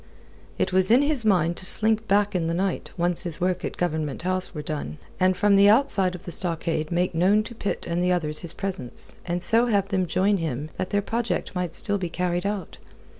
It was in his mind to slink back in the night, once his work at Government House were done, and from the outside of the stockade make known to Pitt and the others his presence, and so have them join him that their project might still be carried out.